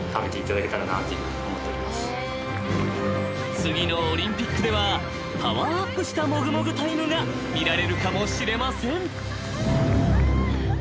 ［次のオリンピックではパワーアップしたもぐもぐタイムが見られるかもしれません］